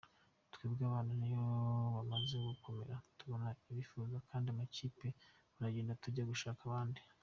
Twebwe abana iyo bamaze gukomera tubona bifuzwa n’andi makipe baragenda tukajya gushaka abandi.